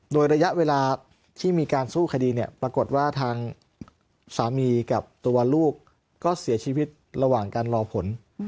โดยระยะเวลาที่มีการสู้คดีเนี่ยปรากฏว่าทางสามีกับตัวลูกก็เสียชีวิตระหว่างการรอผล